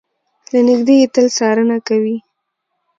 له نږدې يې تل څارنه کوي.